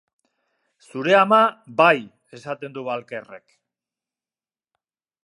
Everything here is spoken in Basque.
Zure ama, bai, esaten du Walkerrek.